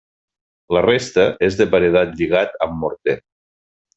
La resta és de paredat lligat amb morter.